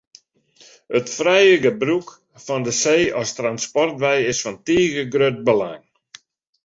It frije gebrûk fan de see as transportwei is fan tige grut belang.